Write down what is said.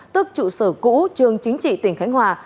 tức trụ sở cũ trường chính trị tỉnh khánh hòa